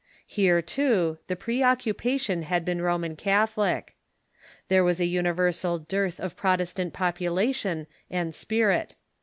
Here, too, the preoccupation had been Roman Catholic. There Avas a universal dearth of Protestant population and spirit.